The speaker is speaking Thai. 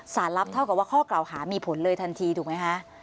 สารรับเท่ากับว่าข้อกล่าวหามีผลเลยทันทีถูกไหมคะ